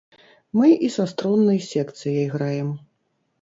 Мы і са струннай секцыяй граем.